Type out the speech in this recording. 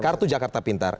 kartu jakarta pintar